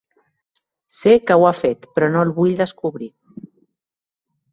Sé que ho ha fet, però no el vull descobrir.